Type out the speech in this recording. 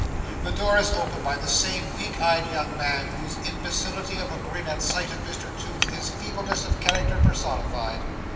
The door is opened by the same weak eyed young man, whose imbecility of grin at sight of Mr Toots is feebleness of character personified.